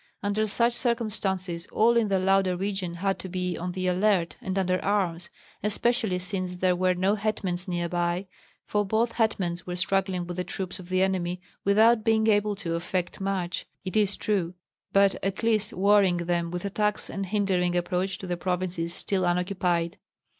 Under such circumstances all in the Lauda region had to be on the alert and under arms, especially since there were no hetmans near by, for both hetmans were struggling with the troops of the enemy without being able to effect much, it is true, but at least worrying them with attacks and hindering approach to the provinces still unoccupied.